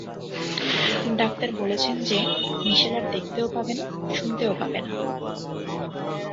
Doctor বলেছেন যে Michelle আর দেখতেও পাবে না শুনতেও পাবে না।